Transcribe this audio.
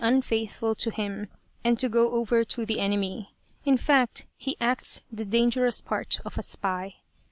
I 7 8 unfaithful to him and to go over to the enemy in fact, he acts the dangerous part of a spy.